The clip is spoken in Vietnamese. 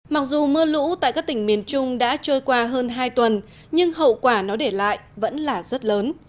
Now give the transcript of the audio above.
mặc dù mưa lũ tại các tỉnh miền trung đã trôi qua hơn hai tuần nhưng hậu quả nó để lại vẫn là rất lớn